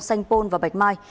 sanh pôn và bạch mai